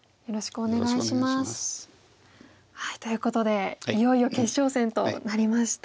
よろしくお願いします。